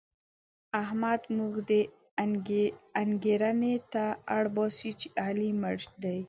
احمد موږ دې انګېرنې ته اړباسي چې علي مړ دی.